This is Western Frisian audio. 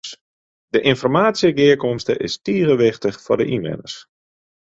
De ynformaasjegearkomste is tige wichtich foar de ynwenners.